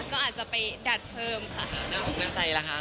ก็อาจจะไปดัดเพิ่มค่ะ